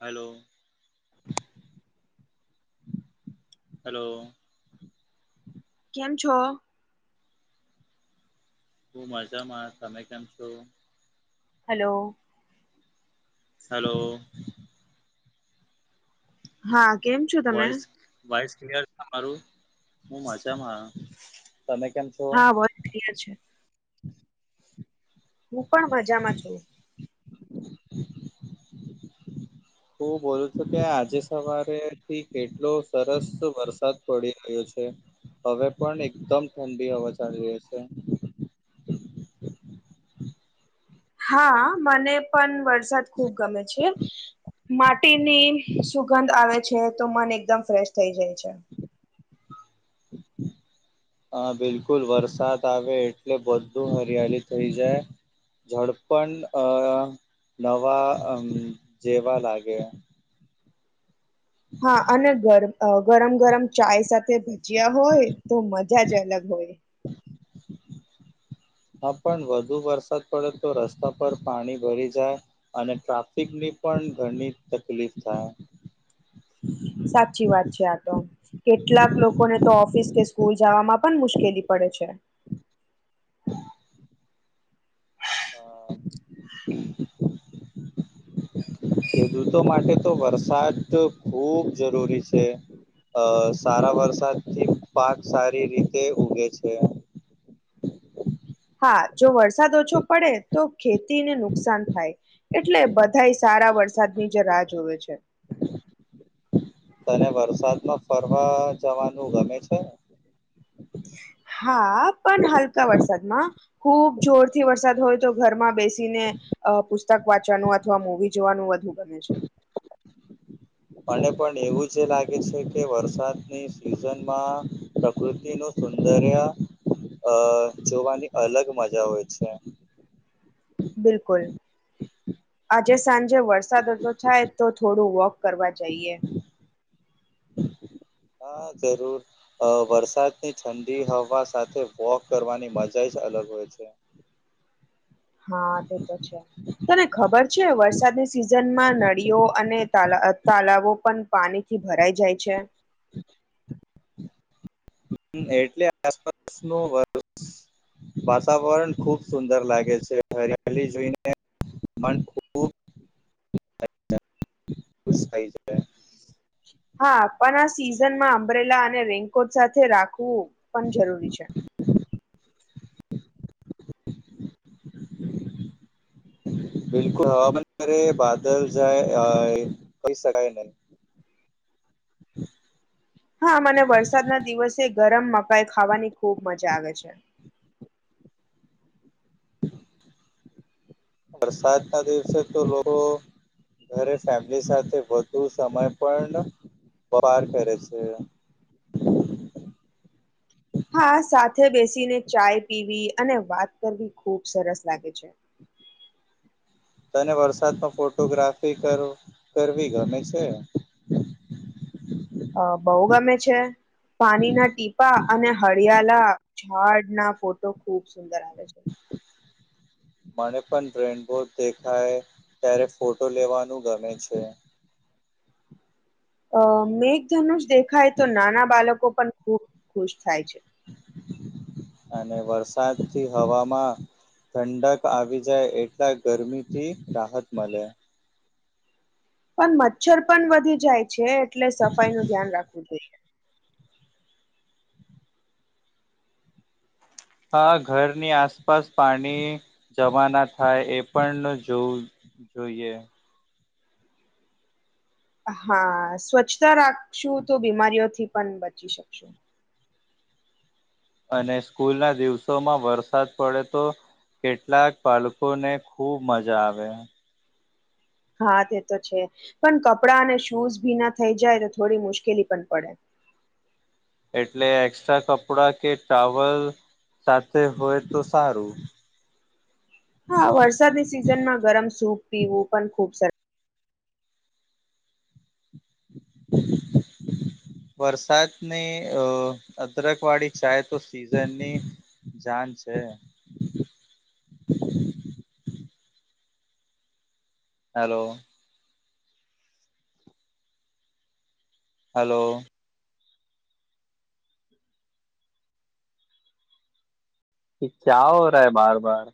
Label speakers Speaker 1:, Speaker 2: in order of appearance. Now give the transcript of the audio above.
Speaker 1: Hello. Hello.
Speaker 2: કેમ છો?
Speaker 1: હું મજામાં તમે કેમ છો?
Speaker 2: હલો.
Speaker 1: હલો.
Speaker 2: હા કેમ છો તમે.
Speaker 1: વાઈસ ક્લિયર તમારું હું મજા મા. તમને કેમ છો.
Speaker 2: હા વો ક્લીઅર છે. હું પણ મજામાં છું.
Speaker 1: હું બોલું છું કે આજે સવારે થી કેટલો સરસ વરસાદ પડી રહ્યો છે હવે પણ એકદમ ઠંડી હવા ચાલી રહી છે.
Speaker 2: હા મને પણ વરસાદ ખુબ ગમે છે. માટીની સુગંધ આવે છે તો મન એકદમ ફ્રેશ થઈ જાય છે.
Speaker 1: હા બિલકુલ વરસાદ આવે એટલે બધું હરિયાળી થઇ જાય. ઝાડ પણ અ નવા જેવા લાગે.
Speaker 2: હા અને ગર ગરમ ગરમ ચાય સાથે ભજીયા હોય તો મજ જાજ અલગ હોય.
Speaker 1: હા પણ વધુ વરસાદ પડે તો રસ્તા પર પાણી ભરી જાય. અને ટ્રાફિકની પણ ઘણી તકલીફ થાય.
Speaker 2: સાચી વાત છે આતો. કેટલાક લોકોને તો ઓફિસ કે સ્કૂલ જવામાં પણ મુશ્કેલી પડે છે.
Speaker 1: ખેડૂતો માટે તો વરસાદ ખૂબ જરૂરી છે. અ સારા વરસાદ થી પાક સારી રીતે ઉગે છે
Speaker 2: હા જો વરસાદ ઓછો પડે તો ખેતીને નુકસાન થાય એટલે બધા સારા વરસાદની જે રાહ જોવે છે
Speaker 1: તને વરસાદમાં ફરવા જવાનું ગમે છે
Speaker 2: હા પણ હલકા વરસાદમાં ખુબ જોરથી વરસાદ હોય તો ઘરમાં બેસીને અ પુસ્તક વાંચવાનું અથવા મવી જોવાનું વધુ ગમે છે
Speaker 1: મને પણ એવું જ લાગે છે કે વરસાદની સિઝનમાં પ્રકૃતિનું સુંદરિયા અ જોવાની અલગ મજા હોય છે
Speaker 2: બિલકુલ આજે સાંજે વરસાદ થાય તો થોડું વોક કરવા જઈએ
Speaker 1: હા જરૂર અ વરસાદની ઠંડી હવા સાથે વોક કરવાની મજા જ અલગ હોય છે
Speaker 2: હા તે તો છે તને ખબર છે વરસાદની સિઝનમાં નળીઓ અને તા તાલાવો પણ પાણી થી ભરાઈ જાય છે
Speaker 1: એટલે આસપાસ નો વર્ષ વાતાવરણ ખુબ સુંદર લાગે છે હરિયાલી જોઈને મન ખૂબ ખુશ થ જાય
Speaker 2: હા પણ આ સિઝન માં અંબરેલા અને રેનકોટ સાથે રાખવું પણ જરૂરી છે
Speaker 1: [inaudible] બિલકુલ હવામાન અરે બાદલ જાય કહી શકાય નહી
Speaker 2: હા મને વરસાદ ના દિવસે ગરમ મકાઈ ખાવાની ખુબ મજા આવે છે
Speaker 1: વરસાદ ના દિવસે તો લોકો અ ફેમિલી સાથે વધુ સમય પણ પાર કરે છે
Speaker 2: હા સાથે બેસીને ચાય પીવી અને વાત કરવી ખુબ સરસ લાગે છે
Speaker 1: તને વરસાદમાં ફોટોગ્રાફી કર કરવી ગમે છે
Speaker 2: અ બહુ ગમે છે પાણીના ટીપા અને હળિયાળ ઝાડ ના ફોટો ખુબ સુંદર આવે છે
Speaker 1: મને પણ રેનબોટ દેખાય ત્યારે ફોટો લેવાનું ગમે છે
Speaker 2: અ મેઘધનુષ દેખાય તો નાના બાળકો પણ ખુબ ખુશ થાય છે
Speaker 1: અને વરસાદ થી હવામાં ઠંડક આવી જાય એટલા ગરમી થી રાહત મળે
Speaker 2: પણ મચ્છર પણ વધી જાય છે એટલે સફાઈ નું ધ્યાન રાખવું જોઈએ
Speaker 1: હા ઘરની આસપાસ પાણી જવા ના થાય એ પણ જોવું જોઈએ
Speaker 2: હા સ્વચ્છતા રાખશું તો બીમારીઓથી પણ બચી શકશું
Speaker 1: અને સ્કૂલ ના દિવસોમાં વરસાદ પડે તો કેટલાક બાળકો ને ખુબ મજા આવે
Speaker 2: હા તે તો છે પણ કપડાં અને શૂઝ ભી ના થઈ જાય તો થોડી મુશ્કેલી પણ પડે
Speaker 1: એટલે એક્સ્ટ્રા કપડા કે ટાવલ સાથે હોય તો સારું. [inaudible]
Speaker 2: હા વરસાદની સિઝનમાં ગરમ સૂપ પીવું પણ ખુબ સરસ.
Speaker 1: [unintelligible] વરસાદની અ અદરક વાળી ચાય તો સીઝનની. જાન છે. હલો. હલો. એ ક્યા હો રહા હૈ બાર બાર.